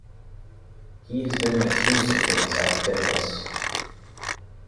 He has been accused of things out of bitterness.